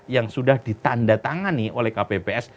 yang sudah ditanda tangani oleh kpps